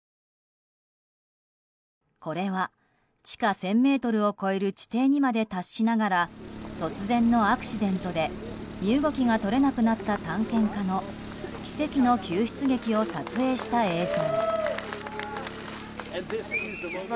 これは地下１０００ｍを超える地底にまで達しながら突然のアクシデントで身動きが取れなくなった探検家の奇跡の救出劇を撮影した映像。